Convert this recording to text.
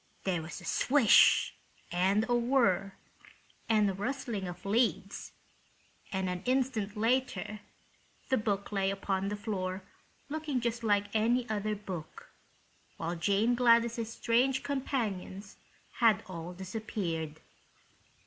There was a swish and a whirr and a rustling of leaves, and an instant later the book lay upon the floor looking just like any other book, while Jane Gladys' strange companions had all disappeared.